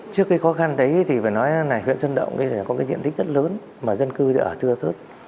trước cái khó khăn đấy thì phải nói là huyện sơn động có cái diện tích rất lớn mà dân cư thì ở thưa thớt